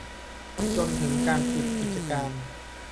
จนถึงการปิดกิจการ